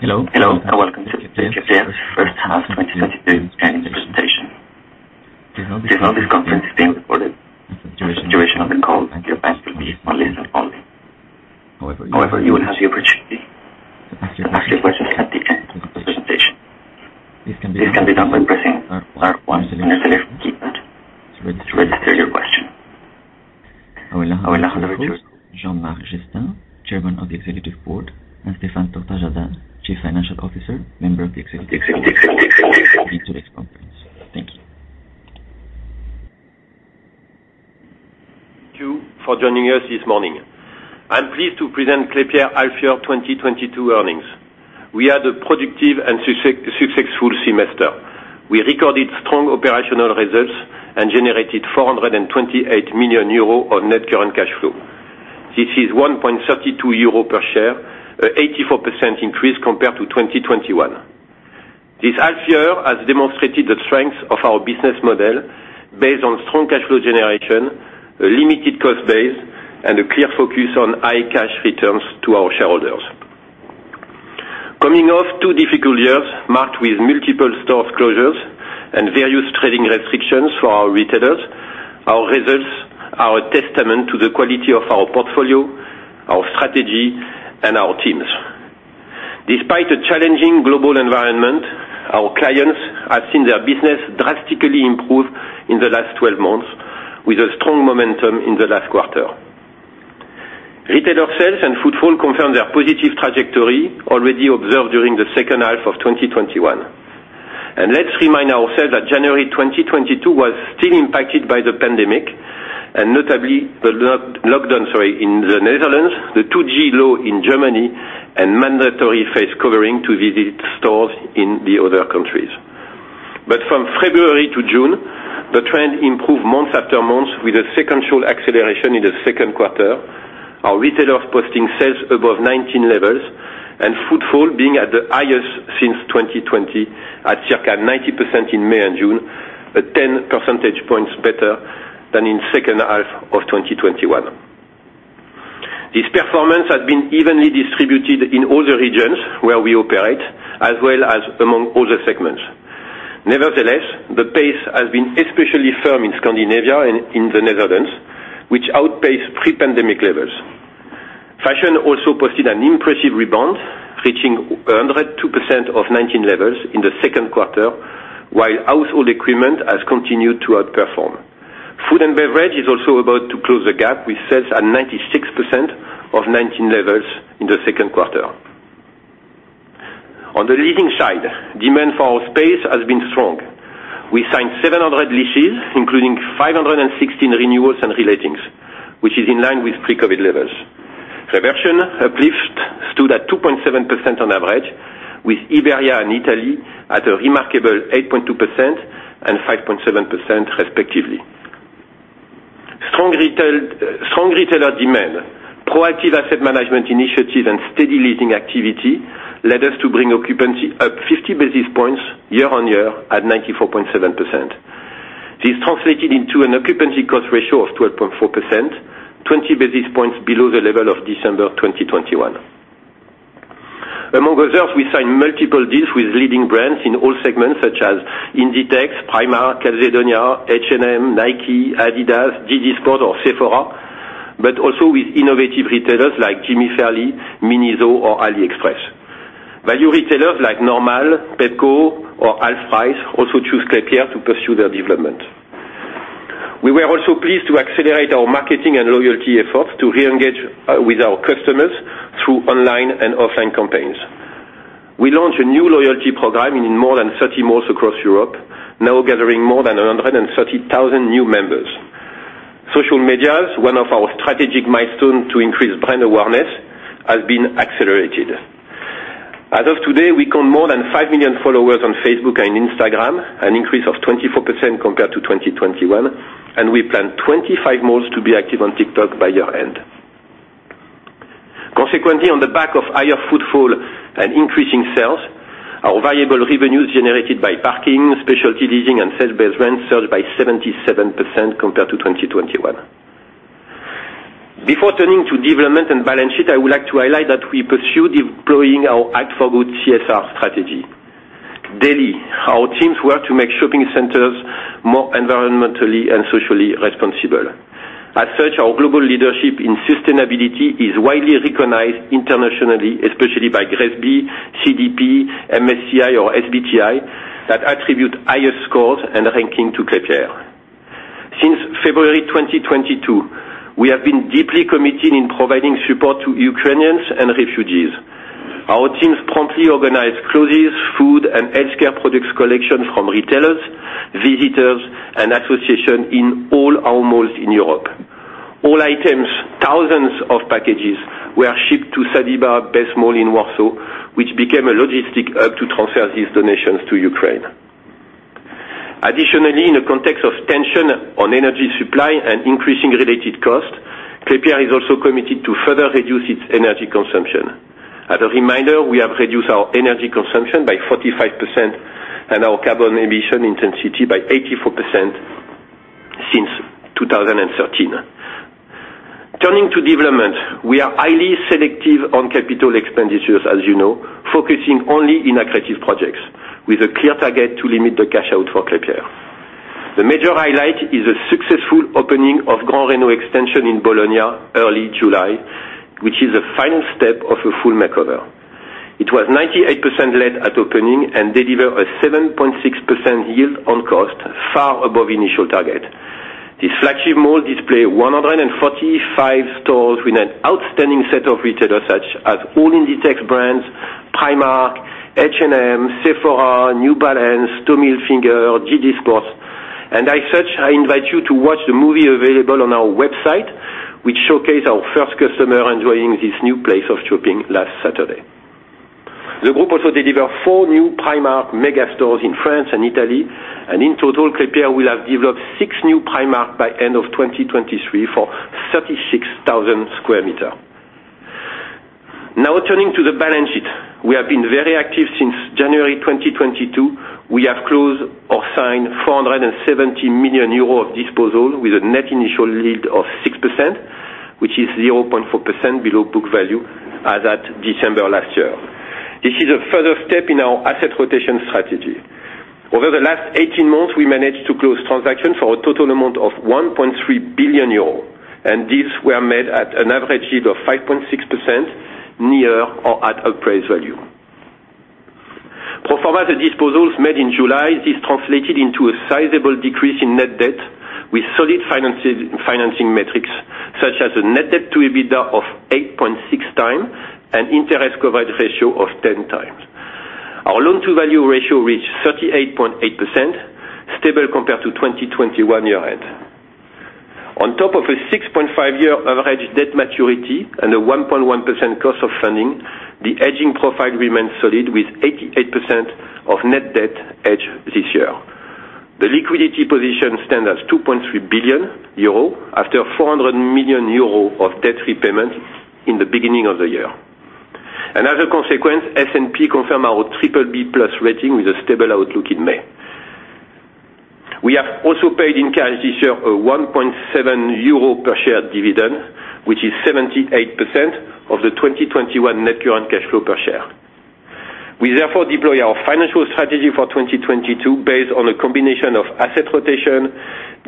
Hello, and welcome to the Klépierre first half 2022 earnings presentation. Please note this conference is being recorded. During the duration of the call, your lines will be monitored only. However, you will have the opportunity to ask your questions at the end of the presentation. This can be done by pressing star one on your telephone keypad to register your question. I will now hand over to Jean-Marc Jestin, Chairman of the Executive Board, and Stéphane Tortajada, Chief Financial Officer, member of the Executive Board, to lead today's conference. Thank you. Thank you for joining us this morning. I'm pleased to present Klépierre half-year 2022 earnings. We had a productive and successful semester. We recorded strong operational results and generated 428 million euro on net current cash flow. This is 1.32 euro per share, an 84% increase compared to 2021. This half-year has demonstrated the strength of our business model based on strong cash flow generation, a limited cost base, and a clear focus on high cash returns to our shareholders. Coming off two difficult years marked with multiple store closures and various trading restrictions for our retailers, our results are a testament to the quality of our portfolio, our strategy, and our teams. Despite a challenging global environment, our clients have seen their business drastically improve in the last 12 months with a strong momentum in the last quarter. Retailer sales and footfall confirmed their positive trajectory already observed during the second half of 2021. Let's remind ourselves that January 2022 was still impacted by the pandemic, and notably the lockdown in the Netherlands, the 2G rule in Germany, and mandatory face covering to visit stores in the other countries. From February to June, the trend improved month after month with a sequential acceleration in the second quarter. Our retailers posting sales above 2019 levels and footfall being at the highest since 2020 at circa 90% in May and June, at 10 percentage points better than in second half of 2021. This performance has been evenly distributed in all the regions where we operate, as well as among all the segments. Nevertheless, the pace has been especially firm in Scandinavia and in the Netherlands, which outpaced pre-pandemic levels. Fashion also posted an impressive rebound, reaching 102% of 2019 levels in the second quarter, while household equipment has continued to outperform. Food & Beverage is also about to close the gap with sales at 96% of 2019 levels in the second quarter. On the leasing side, demand for our space has been strong. We signed 700 leases, including 516 renewals and relettings, which is in line with pre-COVID levels. Reversion uplift stood at 2.7% on average, with Iberia and Italy at a remarkable 8.2% and 5.7% respectively. Strong retailer demand, proactive asset management initiatives, and steady leasing activity led us to bring occupancy up 50 basis points year-on-year at 94.7%. This translated into an occupancy cost ratio of 12.4%, 20 basis points below the level of December 2021. Among others, we signed multiple deals with leading brands in all segments, such as Inditex, Primark, Calzedonia, H&M, Nike, Adidas, JD Sports, or Sephora, but also with innovative retailers like Jimmy Fairly, Miniso, or AliExpress. Value retailers like Normal, Pepco, or HalfPrice also choose Klépierre to pursue their development. We were also pleased to accelerate our marketing and loyalty efforts to re-engage with our customers through online and offline campaigns. We launched a new loyalty program in more than 30 malls across Europe, now gathering more than 130,000 new members. Social media, one of our strategic milestones to increase brand awareness, has been accelerated. As of today, we count more than 5 million followers on Facebook and Instagram, an increase of 24% compared to 2021, and we plan 25 malls to be active on TikTok by year-end. Consequently, on the back of higher footfall and increasing sales, our variable revenues generated by parking, specialty leasing, and sales-based rent surged by 77% compared to 2021. Before turning to development and balance sheet, I would like to highlight that we pursue deploying our Act for Good CSR strategy. Daily, our teams work to make shopping centers more environmentally and socially responsible. As such, our global leadership in sustainability is widely recognized internationally, especially by GRESB, CDP, MSCI or SBTi, that attribute highest scores and ranking to Klépierre. Since February 2022, we have been deeply committed in providing support to Ukrainians and refugees. Our teams promptly organized clothes, food, and healthcare products collection from retailers, visitors, and association in all our malls in Europe. All items, thousands of packages, were shipped to Sadyba Best Mall in Warsaw, which became a logistic hub to transfer these donations to Ukraine. Additionally, in the context of tension on energy supply and increasing related costs, Klépierre is also committed to further reduce its energy consumption. As a reminder, we have reduced our energy consumption by 45% and our carbon emission intensity by 84% since 2013. Turning to development, we are highly selective on CapEx, as you know, focusing only in accretive projects with a clear target to limit the cash out for Klépierre. The major highlight is a successful opening of Gran Reno extension in Bologna early July, which is the final step of a full makeover. It was 98% leased at opening and delivers a 7.6% yield on cost, far above initial target. This flagship mall displays 145 stores with an outstanding set of retailers such as all Inditex brands, Primark, H&M, Sephora, New Balance, Tommy Hilfiger, JD Sports. As such, I invite you to watch the movie available on our website, which showcases our first customers enjoying this new place of shopping last Saturday. The group also delivered four new Primark mega stores in France and Italy. In total, Klépierre will have developed six new Primark by end of 2023 for 36,000 sq m. Now turning to the balance sheet. We have been very active since January 2022. We have closed or signed 470 million euros of disposals with a net initial yield of 6%, which is 0.4% below book value as of December last year. This is a further step in our asset rotation strategy. Over the last 18 months, we managed to close transactions for a total amount of 1.3 billion euro, and these were made at an average yield of 5.6% near or at appraised value. Pro forma disposals made in July translate into a sizable decrease in net debt with solid financing metrics, such as a net debt to EBITDA of 8.6x and interest coverage ratio of 10x. Our loan-to-value ratio reached 38.8%, stable compared to 2021 year-end. On top of a 6.5-year average debt maturity and a 1.1% cost of funding, the hedging profile remains solid with 88% of net debt hedged this year. The liquidity position stands as 2.3 billion euro after 400 million euro of debt repayment in the beginning of the year. As a consequence, S&P confirmed our BBB+ rating with a stable outlook in May. We have also paid in cash this year a 1.7 euro per share dividend, which is 78% of the 2021 net current cash flow per share. We therefore deploy our financial strategy for 2022 based on a combination of asset rotation,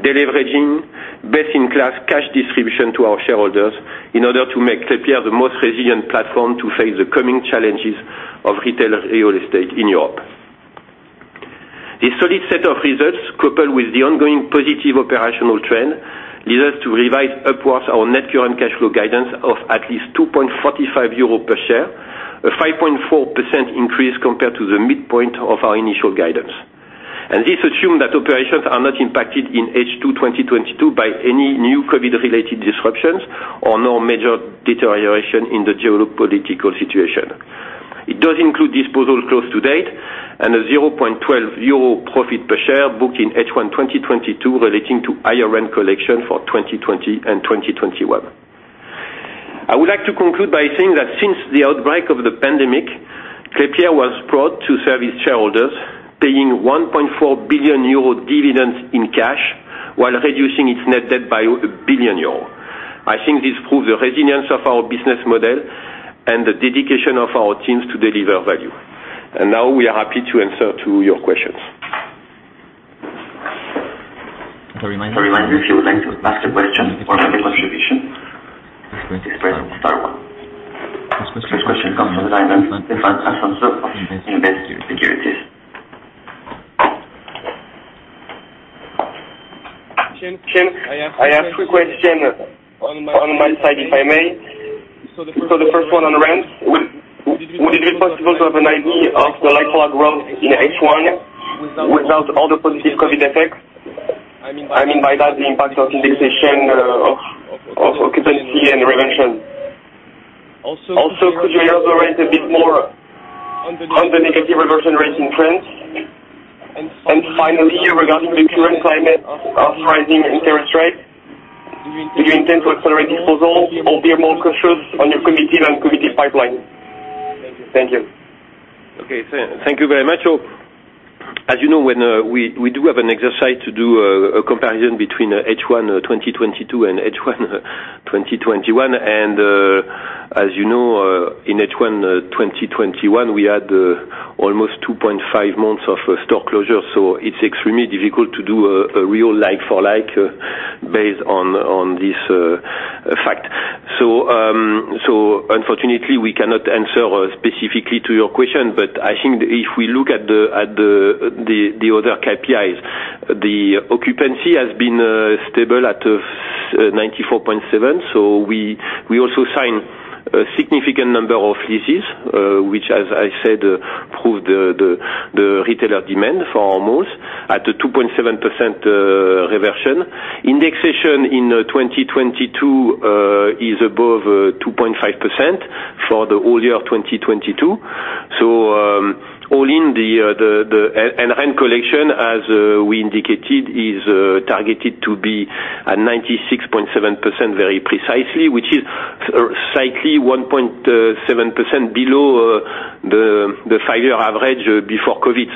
deleveraging, best in class cash distribution to our shareholders in order to make Klépierre the most resilient platform to face the coming challenges of retail real estate in Europe. This solid set of results, coupled with the ongoing positive operational trend, leads us to revise upwards our net current cash flow guidance of at least 2.45 euros per share, a 5.4% increase compared to the midpoint of our initial guidance. This assumes that operations are not impacted in H2 2022 by any new COVID related disruptions or no major deterioration in the geopolitical situation. It does include disposals close to date and a 0.12 euro profit per share booked in H1 2022 relating to higher rent collection for 2020 and 2021. I would like to conclude by saying that since the outbreak of the pandemic, Klépierre was proud to serve its shareholders, paying 1.4 billion euro dividends in cash while reducing its net debt by 1 billion euro. I think this proves the resilience of our business model and the dedication of our teams to deliver value. Now we are happy to answer to your questions. To remind you, if you would like to ask a question or make a contribution, please press star one. First question comes from the line of Stéphane Afonso from Invest Securities. Jean, I have three questions on my side, if I may. The first one on rent, would it be possible to have an idea of the like-for-like growth in H1 without all the positive COVID effects? I mean by that the impact of indexation of occupancy and prevention. Also, could you elaborate a bit more on the negative reversion rate in France? And finally, regarding the current climate of rising interest rates, do you intend to accelerate disposals or be more cautious on your committed pipeline? Thank you. Okay, thank you very much. As you know, when we do have an exercise to do, a comparison between H1 2022 and H1 2021. As you know, in H1 2021, we had almost 2.5 months of store closure. It's extremely difficult to do a real like-for-like based on this fact. Unfortunately, we cannot answer specifically to your question. But I think if we look at the other KPIs, the occupancy has been stable at 94.7%. We also signed a significant number of leases, which as I said, proved the retailer demand for our malls at a 2.7% reversion. Indexation in 2022 is above 2.5% for the whole year of 2022. All in, the rents and rent collection, as we indicated, is targeted to be at 96.7% very precisely, which is 7% below the five-year average before COVID.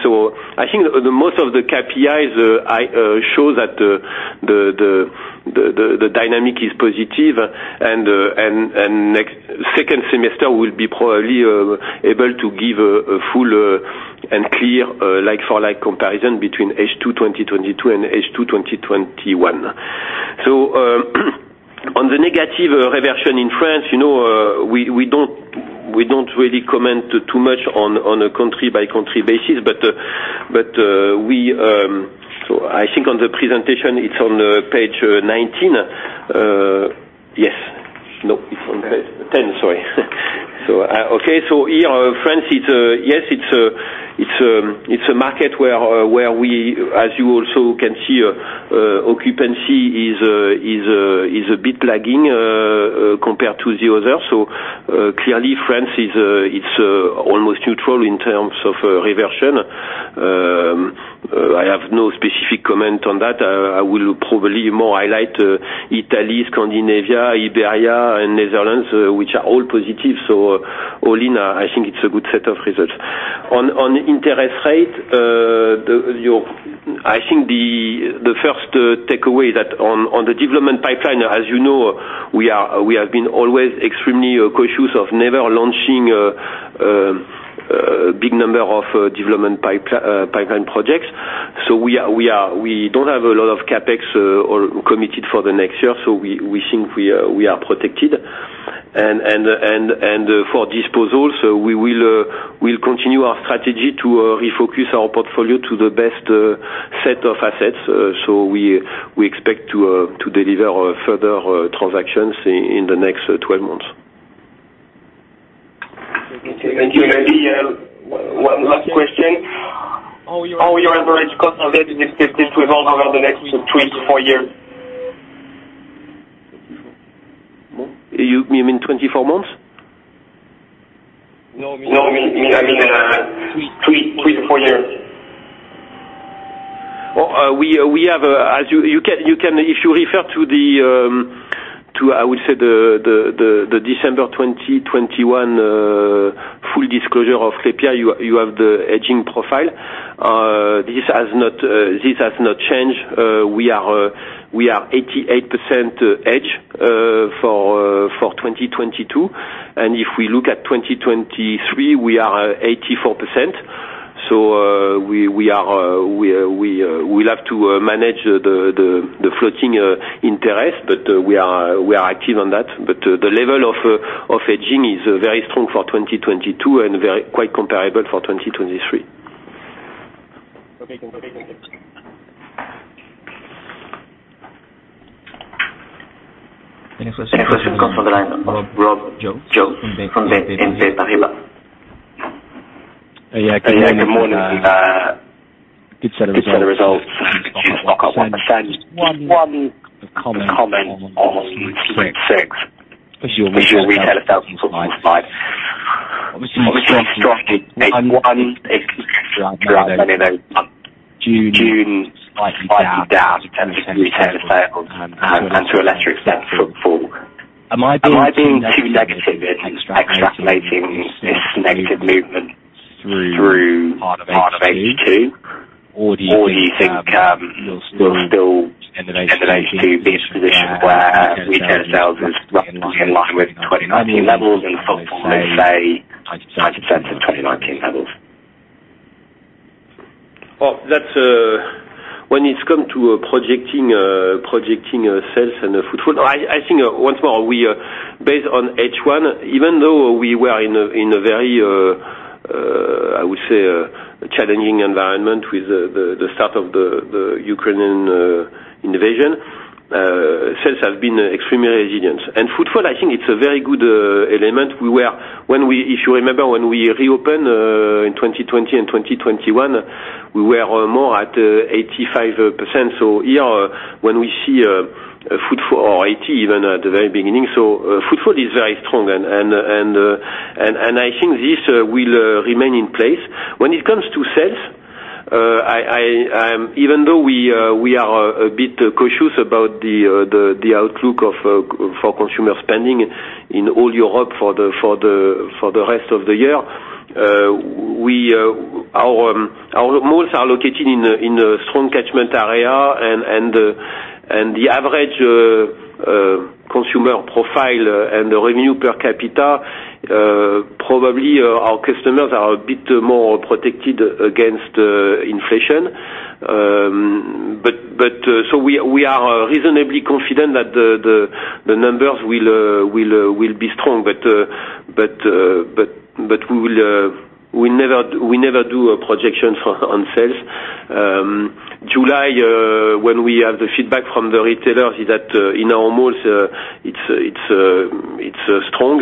I think most of the KPIs show that the dynamic is positive and second semester will be probably able to give a full and clear like-for-like comparison between H2 2022 and H2 2021. On the negative reversion in France, you know, we don't really comment too much on a country-by-country basis. I think on the presentation, it's on page 19. Yes. No, it's on 10, sorry. Okay, here, France, it's yes, it's a market where we, as you also can see, occupancy is a bit lagging compared to the others. Clearly France is almost neutral in terms of reversion. I have no specific comment on that. I will probably more highlight Italy, Scandinavia, Iberia and Netherlands, which are all positive. All in, I think it's a good set of results. On interest rate, I think the first takeaway on the development pipeline, as you know, we have been always extremely cautious of never launching a big number of development pipeline projects. We don't have a lot of CapEx or commitments for the next year. We think we are protected. For disposals, we'll continue our strategy to refocus our portfolio to the best set of assets. We expect to deliver further transactions in the next 12 months. Thank you. Maybe one last question. How your average costs are expected to evolve over the next 24 years? You mean 24 months? No, I mean, three to four years. Well, we have a—if you refer to the December 2021 full disclosure of Klépierre, you have the hedging profile. This has not changed. We are 88% hedged for 2022. If we look at 2023, we are 84%. We will have to manage the floating interest, but we are active on that. The level of hedging is very strong for 2022 and quite comparable for 2023. Okay. Thank you. The next question comes from the line of Rob Jones from BNP Paribas. Good morning. Good set of results. I'd like to understand one comment on Q2. As your retailer sales declined, obviously strongly, although throughout many of those months, June slightly down in terms of retailer sales and to a lesser extent, footfall. Am I being too negative in extrapolating this negative movement through part of H2, or do you think we'll still end the year to be in a position where your retailer sales is roughly in line with 2019 levels and footfall is, say, 90% of 2019 levels? Well, that's when it comes to projecting sales and footfall, I think once more, based on H1, even though we were in a very I would say challenging environment with the start of the Ukrainian invasion, sales have been extremely resilient. Footfall, I think, is a very good element. If you remember when we reopened in 2020 and 2021, we were more at 85%. Here when we see footfall at 80% even at the very beginning. Footfall is very strong and I think this will remain in place. When it comes to sales, even though we are a bit cautious about the outlook for consumer spending in all Europe for the rest of the year, our malls are located in a strong catchment area and the average consumer profile and the revenue per capita probably our customers are a bit more protected against inflation. We are reasonably confident that the numbers will be strong. We never do a projection on sales. July when we have the feedback from the retailers is that in our malls it's strong.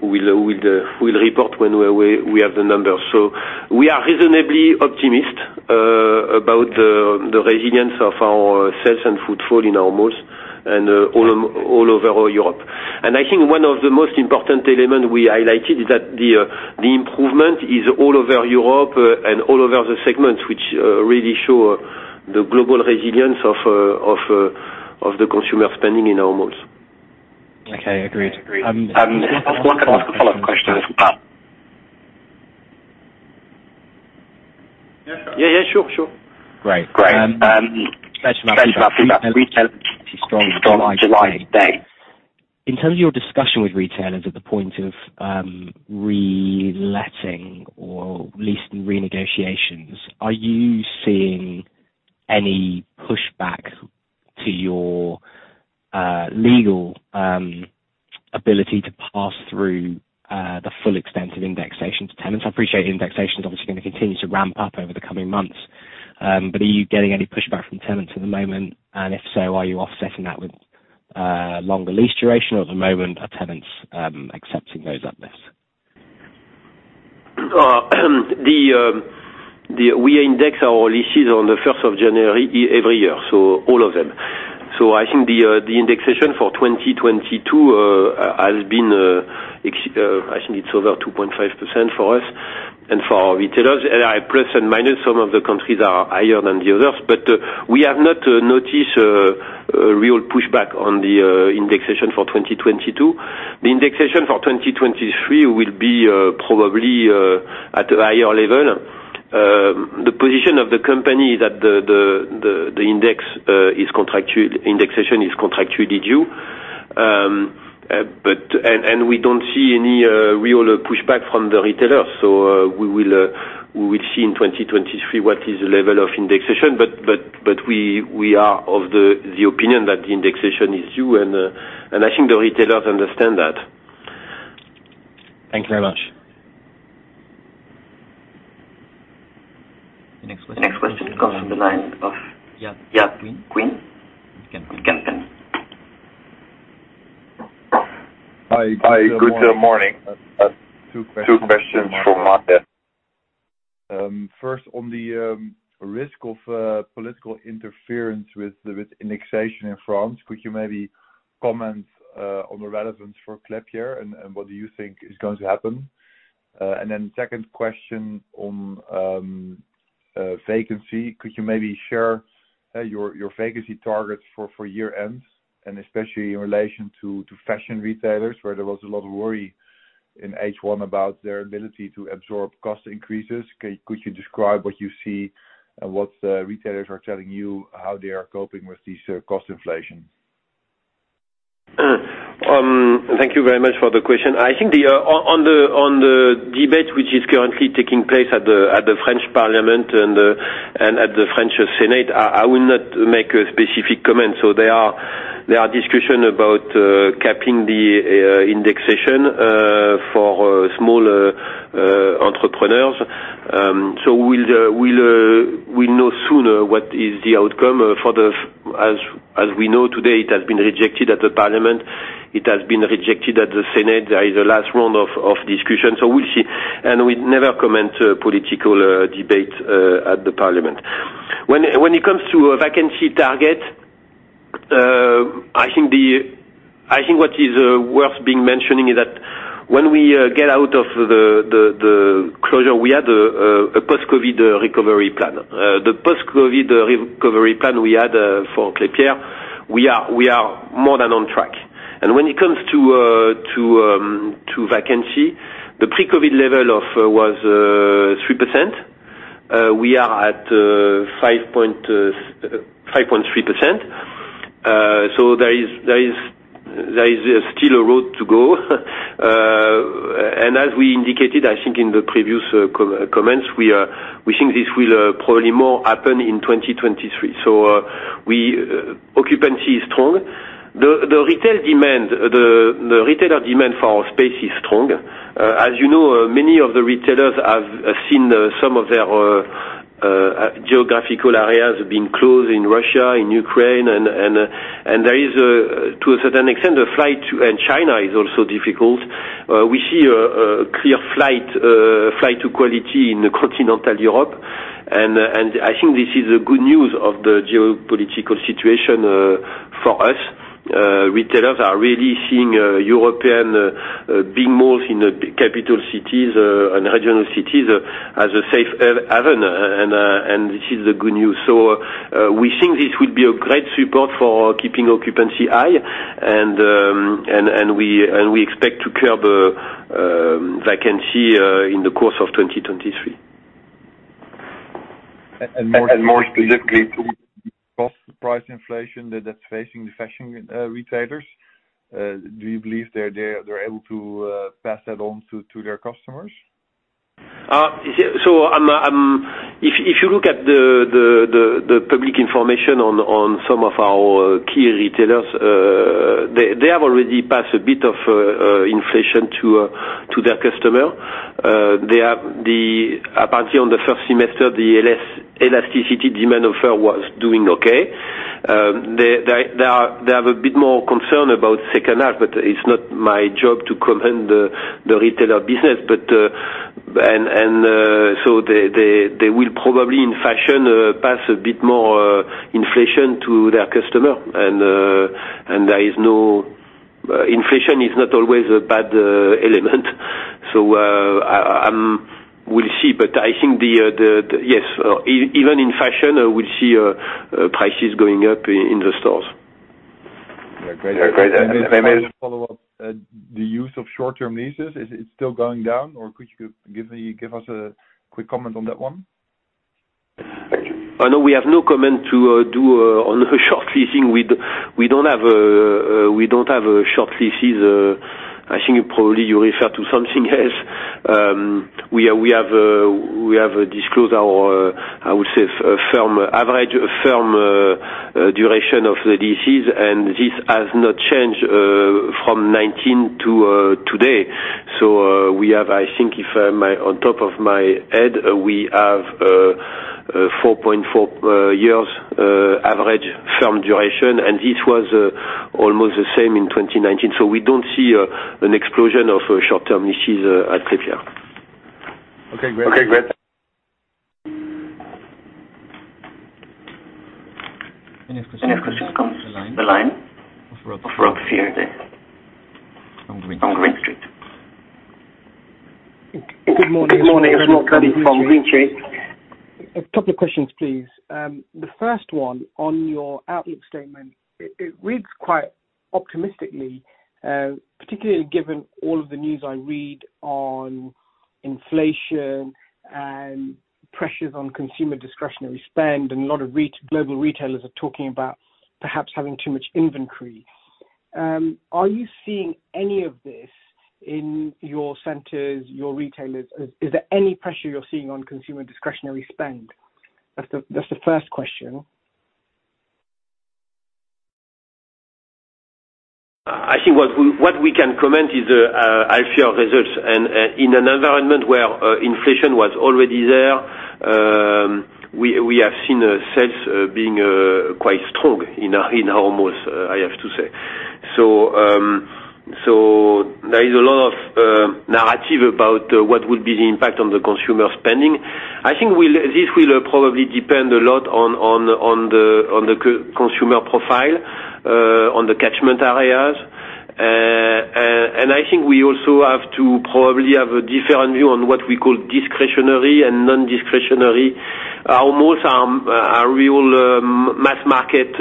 We'll report when we have the numbers. We are reasonably optimistic about the resilience of our sales and footfall in our malls and all over Europe. I think one element we highlighted is that the improvement is all over Europe and all over the segments, which really show the global resilience of the consumer spending in our malls. Okay. Agreed. Just one follow-up question. Yeah, yeah, sure. Great. In terms of retail's strong July to date. In terms of your discussion with retailers at the point of reletting or lease renegotiations, are you seeing any pushback on your legal ability to pass through the full extent of indexation to tenants? I appreciate indexation is obviously gonna continue to ramp up over the coming months. Are you getting any pushback from tenants at the moment? If so, are you offsetting that with longer lease duration? Or at the moment are tenants accepting those uplifts? We index our leases on the first of January every year, so all of them. I think the indexation for 2022 has been, I think it's over 2.5% for us and for our retailers. At plus and minus, some of the countries are higher than the others. We have not noticed a real pushback on the indexation for 2022. The indexation for 2023 will be probably at a higher level. The position of the company is that the indexation is contractually due. We don't see any real pushback from the retailers. We will see in 2023 what the level of indexation is. We are of the opinion that the indexation is due. I think the retailers understand that. Thank you very much. The next question comes from the line of Jaap Kuin, Kempen. Kempen. Hi. Good morning. I've two questions for market. First on the risk of political interference with indexation in France. Could you maybe comment on the relevance for Klépierre and what do you think is going to happen? Second question on vacancy. Could you maybe share your vacancy targets for year ends, and especially in relation to fashion retailers, where there was a lot of worry in H1 about their ability to absorb cost increases. Could you describe what you see and what retailers are telling you how they are coping with this cost inflation? Thank you very much for the question. I think on the debate which is currently taking place at the French Parliament and at the French Senate, I will not make a specific comment. There are discussions about capping the indexation for small entrepreneurs. We'll know soon what is the outcome. As we know today, it has been rejected at the Parliament. It has been rejected at the Senate. There is a last round of discussion. We'll see. We never comment on political debate at the Parliament. When it comes to a vacancy target, I think what is worth mentioning is that when we get out of the closure, we had a post-COVID recovery plan. The post-COVID recovery plan we had for Klépierre, we are more than on track. When it comes to vacancy, the pre-COVID level was 3%. We are at 5.3%. There is still a road to go. As we indicated, I think in the previous comments, we think this will probably happen more in 2023. Occupancy is strong. The retail demand, the retailer demand for our space is strong. As you know, many of the retailers have seen some of their geographical areas being closed in Russia, in Ukraine, and there is, to a certain extent, and China is also difficult. We see a clear flight to quality in continental Europe. I think this is good news of the geopolitical situation for us. Retailers are really seeing European big malls in capital cities and regional cities as a safe haven. This is the good news. We think this will be a great support for keeping occupancy high. We expect to curb vacancy in the course of 2023. More specifically to cost price inflation that is facing the fashion retailers, do you believe they're able to pass that on to their customers? If you look at the public information on some of our key retailers, they have already passed a bit of inflation to their customer. Apparently on the first semester, the price elasticity of demand was doing okay. They have a bit more concern about second half, but it's not my job to comment on the retailer business. They will probably in fashion pass a bit more inflation to their customer. Inflation is not always a bad element. We'll see. I think yes, even in fashion, we see prices going up in the stores. Great. And then can I just follow up, the use of short-term leases, is it still going down, or could you give us a quick comment on that one? Thank you. Oh, no, we have no comment to do on short leasing. We don't have short leases. I think probably you refer to something else. We have disclosed our, I would say, average firm duration of the leases, and this has not changed from 2019 to today. I think, off the top of my head, we have 4.4 years average firm duration, and this was almost the same in 2019. We don't see an explosion of short-term leases at Klépierre. Okay, great. The next question comes from the line of Rob Virdee from Green Street. Good morning. Good morning, Rob. A couple of questions, please. The first one on your outlook statement, it reads quite optimistically, particularly given all of the news I read on inflation and pressures on consumer discretionary spend, and a lot of global retailers are talking about perhaps having too much inventory. Are you seeing any of this in your centers, your retailers? Is there any pressure you're seeing on consumer discretionary spend? That's the first question. I think what we can comment is our share results. In an environment where inflation was already there, we have seen sales being quite strong in our malls, I have to say. There is a lot of narrative about what would be the impact on the consumer spending. I think this will probably depend a lot on the consumer profile, on the catchment areas. I think we also have to probably have a different view on what we call discretionary and non-discretionary. Our malls are real mass market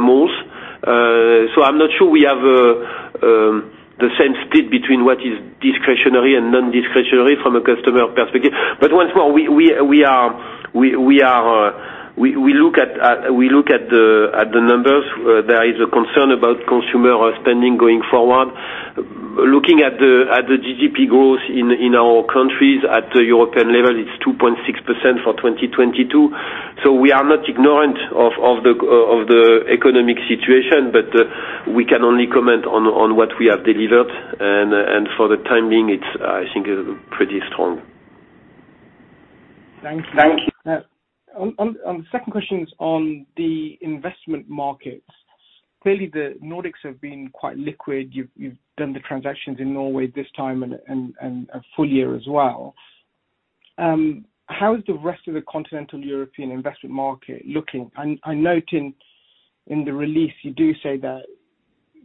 malls. So I'm not sure we have the same split between what is discretionary and non-discretionary from a customer perspective. Once more we look at the numbers. There is a concern about consumer spending going forward. Looking at the GDP growth in our countries at the European level, it's 2.6% for 2022. We are not ignorant of the economic situation, but we can only comment on what we have delivered. For the time being, it's, I think, pretty strong. Thank you. On the second question is on the investment markets. Clearly, the Nordics have been quite liquid. You've done the transactions in Norway this time and a full year as well. How is the rest of the continental European investment market looking? I note in the release you do say that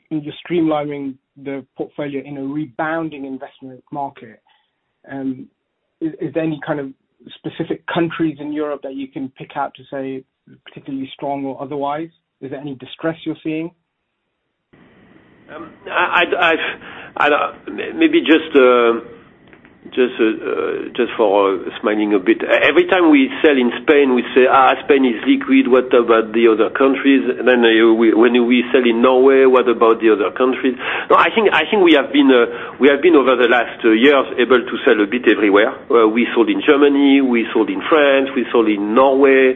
you're streamlining the portfolio in a rebounding investment market. Is there any kind of specific countries in Europe that you can pick out to say particularly strong or otherwise? Is there any distress you're seeing? Maybe just for smiling a bit. Every time we sell in Spain, we say, "Ah, Spain is liquid. What about the other countries?" When we sell in Norway, what about the other countries? No, I think we have been over the last years able to sell a bit everywhere. We sold in Germany, we sold in France, we sold in Norway.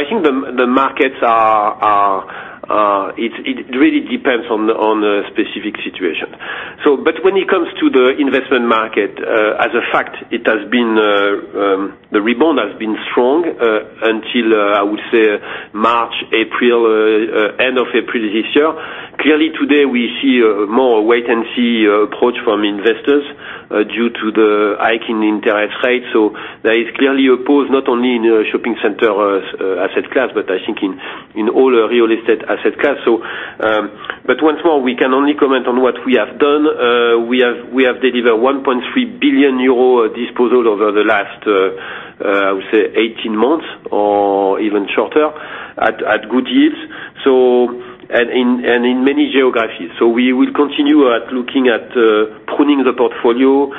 I think the markets really depend on the specific situation. When it comes to the investment market, in fact, the rebound has been strong until I would say March, April, end of April this year. Clearly today we see more wait-and-see approach from investors due to the hike in interest rates. There is clearly a pause not only in the shopping center asset class, but I think in all real estate asset class. Once more, we can only comment on what we have done. We have delivered 1.3 billion euro disposal over the last 18 months or even shorter at good yields, and in many geographies. We will continue looking at pruning the portfolio,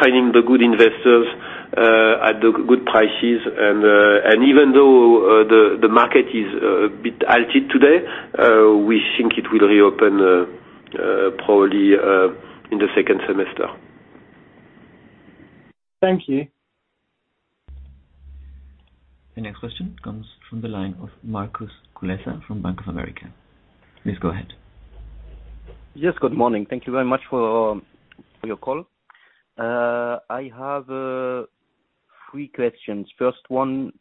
finding the good investors at good prices. Even though the market is a bit altered today, we think it will reopen probably in the second semester. Thank you. The next question comes from the line of Markus Kulessa from Bank of America. Please go ahead. Yes, good morning. Thank you very much for your call. I have three questions. First one,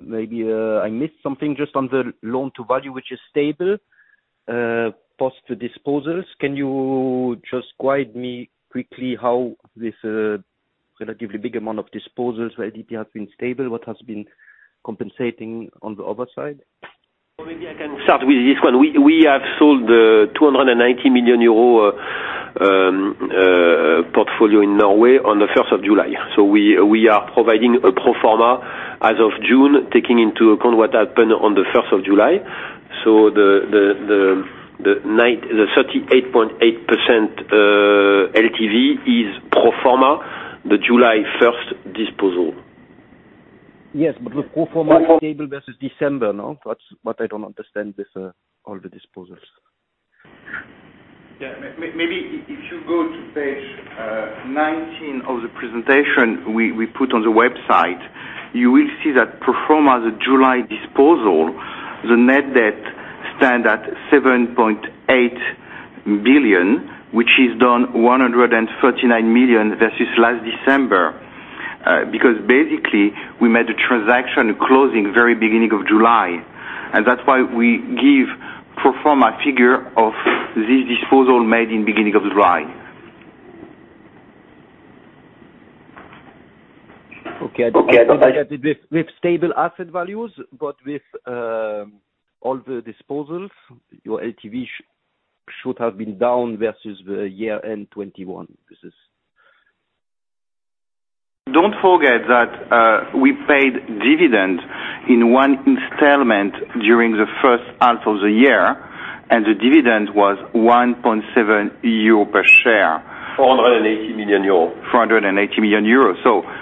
maybe I missed something just on the loan-to-value, which is stable post disposals. Can you just guide me quickly how this relatively big amount of disposals LTV has been stable, what has been compensating on the other side? Well, maybe I can start with this one. We have sold 290 million euro portfolio in Norway on the 1st of July. We are providing a pro forma as of June, taking into account what happened on the 1st of July. The 38.8% LTV is pro forma, the July 1st disposal. Yes, with pro forma stable versus December, no? That's what I don't understand with all the disposals. Yeah. Maybe if you go to page 19 of the presentation we put on the website, you will see that pro forma the July disposal, the net debt stand at 7.8 billion, which is down 139 million versus last December. Because basically we made a transaction closing very beginning of July, and that's why we give pro forma figure of this disposal made in beginning of July. With stable asset values, but with all the disposals, your LTV should have been down versus the year-end 2021. This is—don't forget that, we paid dividend in one installment during the first half of the year, and the dividend was 1.7 euro per share. 480 million euros. 480 million euros.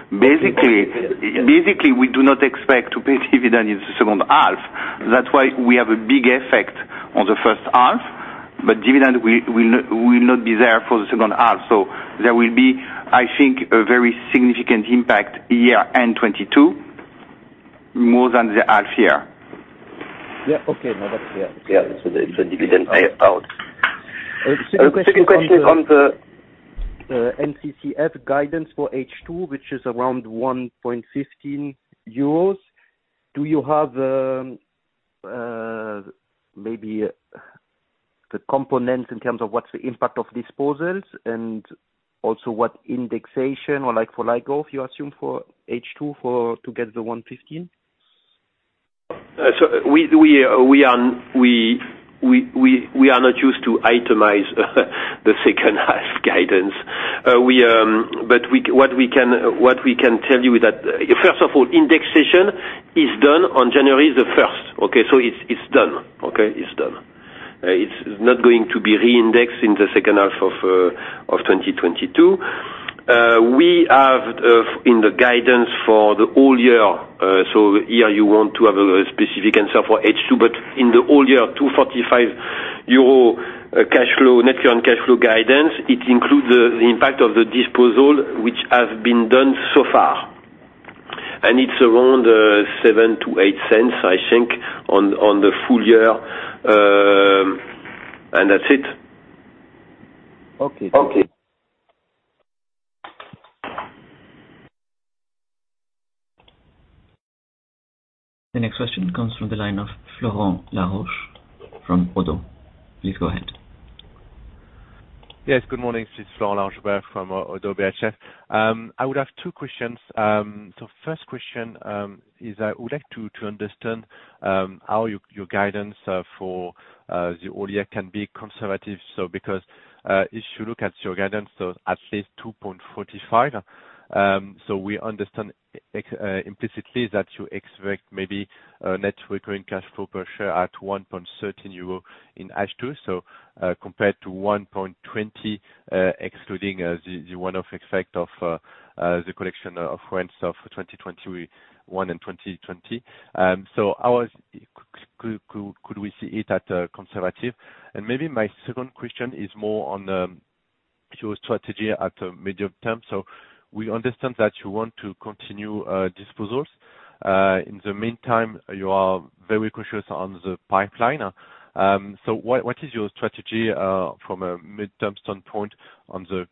Basically, we do not expect to pay dividend in the second half. That's why we have a big effect on the first half, but dividend will not be there for the second half. There will be, I think, a very significant impact year-end 2022, more than the half year. Yeah. Okay. No, that's clear. Yeah. The dividend payout. Second question is on the NCCF guidance for H2, which is around 1.15 euros. Do you have maybe the components in terms of what's the impact of disposals and also what indexation or like-for-like you assume for H2 to get the 1.15? We are not used to itemize the second half guidance. What we can tell you that, first of all, indexation is done on January the first. Okay? It's done. Okay? It's done. It's not going to be re-indexed in the second half of 2022. We have in the guidance for the whole year, so here you want to have a specific answer for H2, but in the whole year, 2.45 euro cash flow, net current cash flow guidance, it includes the impact of the disposal which has been done so far. It's around 0.07-0.08, I think, on the full year. That's it. Okay. The next question comes from the line of Florent Laroche from Oddo. Please go ahead. Yes. Good morning. This is Florent Laroche from Oddo BHF. I would have two questions. First question is I would like to understand how your guidance for the whole year can be conservative. Because if you look at your guidance, at least 2.45, we understand implicitly that you expect maybe net current cash flow per share at 1.13 euro in H2, compared to 1.20, excluding the one-off effect of the collection of rents of 2021 and 2020. How could we see it as conservative? Maybe my second question is more on your strategy at medium term. We understand that you want to continue disposals. In the meantime, you are very cautious on the pipeline. What is your strategy, from a midterm standpoint on the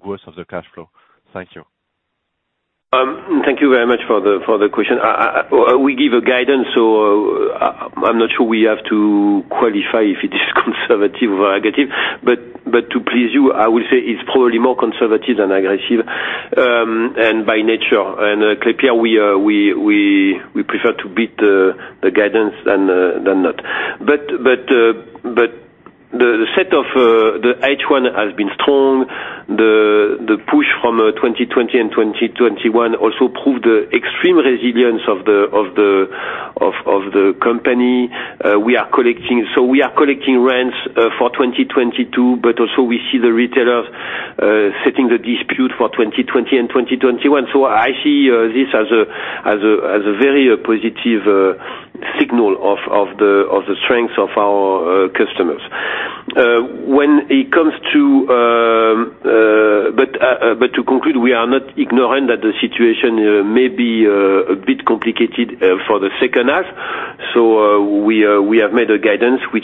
growth of the cash flow? Thank you. Thank you very much for the question. We give a guidance, so I'm not sure we have to qualify if it is conservative or aggressive, but to please you, I will say it's probably more conservative than aggressive, and by nature. Klépierre, we prefer to beat the guidance than not. The H1 has been strong. The push from 2020 and 2021 also proved the extreme resilience of the company. We are collecting rents for 2022, but also we see the retailers settling the disputes for 2020 and 2021. I see this as a very positive signal of the strength of our customers. To conclude, we are not ignoring that the situation may be a bit complicated for the second half. We have made a guidance for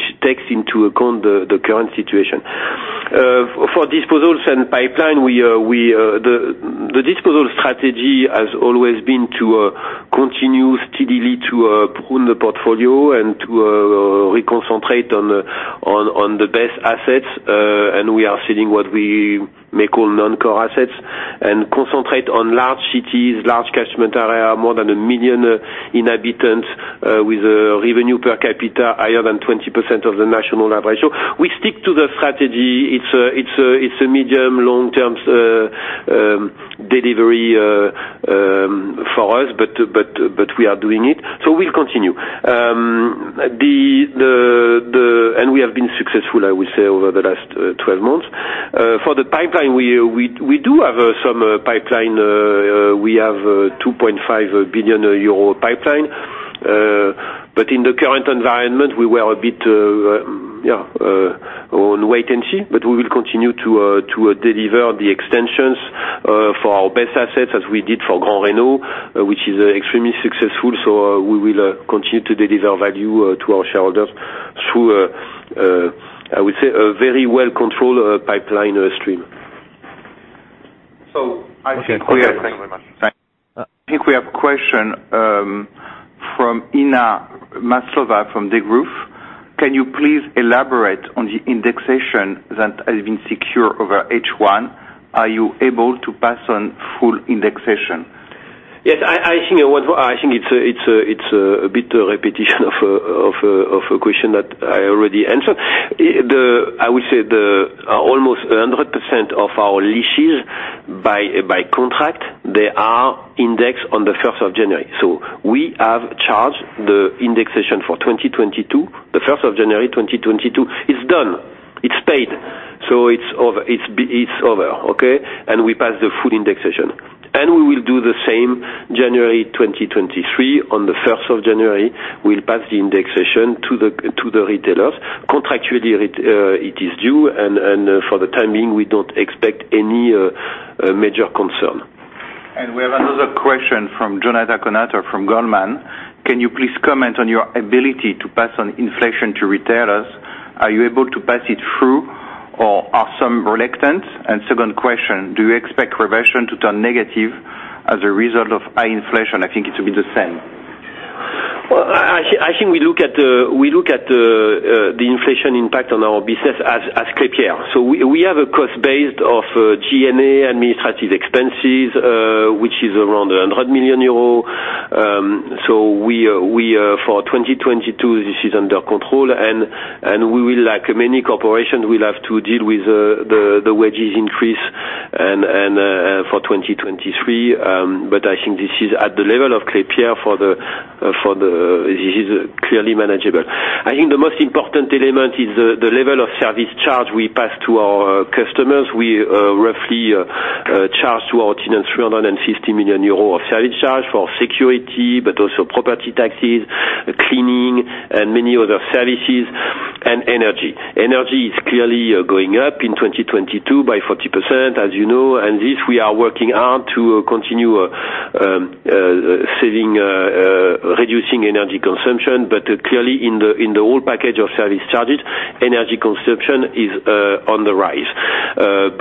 disposals and pipeline. The disposal strategy has always been to continue steadily to prune the portfolio and to reconcentrate on the best assets. We are selling what we may call non-core assets and concentrate on large cities, large catchment area, more than 1 million inhabitants, with a revenue per capita higher than 20% of the national average. We stick to the strategy. It's a medium long-term delivery for us, but we are doing it. We'll continue. We have been successful, I would say, over the last 12 months. For the pipeline, we do have some pipeline. We have 2.5 billion euro pipeline. In the current environment, we were a bit on wait and see, but we will continue to deliver the extensions for our best assets as we did for Gran Reno, which is extremely successful. We will continue to deliver value to our shareholders through, I would say, a very well-controlled pipeline stream. Appreciate the color. Thank you very much. Thanks. I think we have a question from Inna Maslova from Degroof. Can you please elaborate on the indexation that has been secured over H1? Are you able to pass on full indexation? Yes. I think it's a bit of a repetition of a question that I already answered. I would say almost 100% of our leases by contract they are indexed on the first of January. So we have charged the indexation for 2022. The first of January 2022 is done. It's paid. So it's over. It's over, okay? We pass the full indexation. We will do the same January 2023. On the first of January, we'll pass the indexation to the retailers. Contractually it is due, and for the time being, we don't expect any major concern. We have another question from Jonathan Kownator from Goldman Sachs. Can you please comment on your ability to pass on inflation to retailers? Are you able to pass it through, or are some reluctant? Second question, do you expect reversion to turn negative as a result of high inflation? I think it should be the same. I think we look at the inflation impact on our business as Klépierre. We have a cost base of G&A administrative expenses, which is around 100 million euros. For 2022 this is under control. We will, like many corporations, have to deal with the wages increase for 2023. I think this is at the level of Klépierre. This is clearly manageable. I think the most important element is the level of service charge we pass to our customers. We roughly charge to our tenants 350 million euro of service charge for security, but also property taxes, cleaning and many other services, and energy. Energy is clearly going up in 2022 by 40%, as you know, and this we are working on to continue reducing energy consumption. Clearly in the whole package of service charges, energy consumption is on the rise.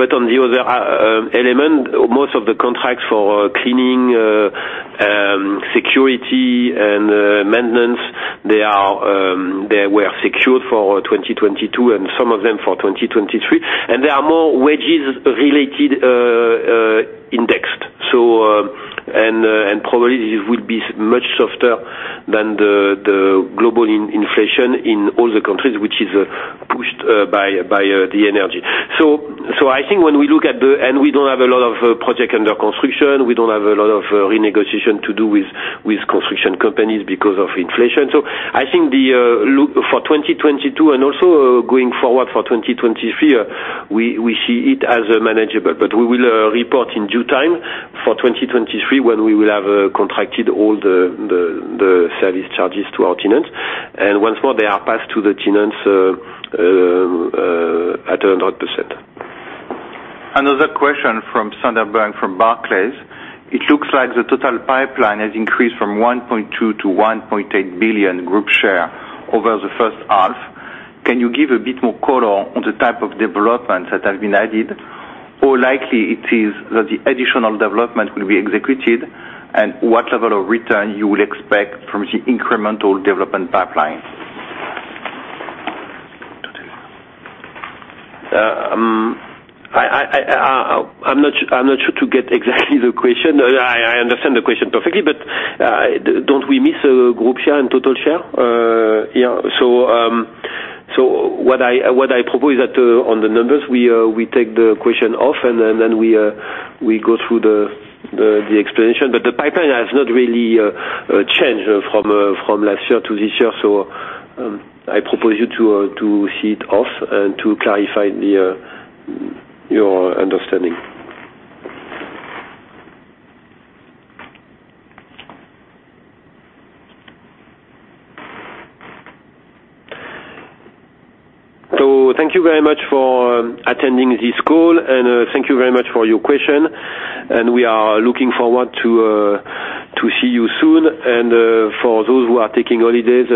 On the other element, most of the contracts for cleaning, security and maintenance they were secured for 2022 and some of them for 2023, and they are more wages-related indexed. And probably this would be much softer than the global inflation in all the countries which is pushed by the energy. I think when we look at the—and we don't have a lot of projects under construction, we don't have a lot of renegotiation to do with construction companies because of inflation. I think the outlook for 2022 and also going forward for 2023, we see it as manageable. We will report in due time for 2023 when we will have contracted all the service charges to our tenants. Once more, they are passed to the tenants at 100%. Another question from Sander Bunck from Barclays. It looks like the total pipeline has increased from 1.2 billion to 1.8 billion group share over the first half. Can you give a bit more color on the type of developments that have been added? How likely it is that the additional development will be executed, and what level of return you would expect from the incremental development pipeline? I'm not sure I get exactly the question. I understand the question perfectly, but don't we miss group share and total share? Yeah. What I propose is that on the numbers we take the question offline and then we go through the explanation. The pipeline has not really changed from last year to this year. I propose you to skip it and to clarify your understanding. Thank you very much for attending this call, and thank you very much for your question, and we are looking forward to see you soon. For those who are taking holidays,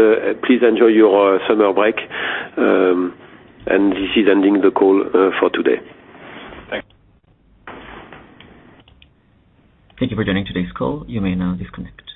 please enjoy your summer break. This is ending the call for today. Thank you. Thank you for joining today's call. You may now disconnect.